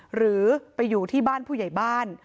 หรือไปอยู่ที่บ้านผู้ใหญ่บ้าน